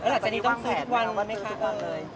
ต้องเซ็คทุกวันไหมคะ